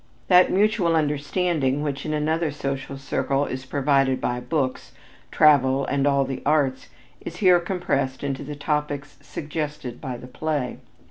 That mutual understanding which in another social circle is provided by books, travel and all the arts, is here compressed into the topics suggested by the play.